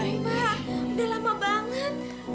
mbak udah lama banget